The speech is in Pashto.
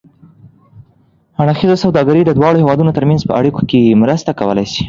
اړخیزه سوداګري د دواړو هېوادونو ترمنځ په اړیکو کې مرسته کولای شي.